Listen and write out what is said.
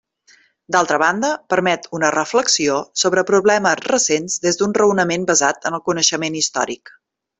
D'altra banda, permet una reflexió sobre problemes recents des d'un raonament basat en el coneixement històric.